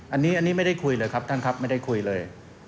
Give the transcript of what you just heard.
อันนี้ไม่ได้คุยเลยครับท่านครับไม่ได้คุยเลย